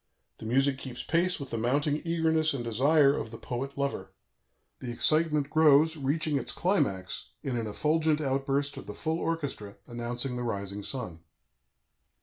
The music keeps pace with the mounting eagerness and desire of the poet lover; the excitement grows, reaching its climax in an effulgent outburst of the full orchestra, announcing the rising sun.